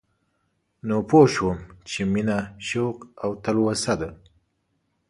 نو پوه شوم چې مينه شوق او تلوسه ده